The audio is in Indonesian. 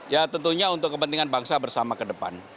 ya tentunya untuk kepentingan bangsa bersama ke depan